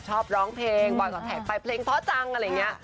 ชอบร้องเพลงบอยกับแทกไปเพลงภอจังอะไรเนี่ย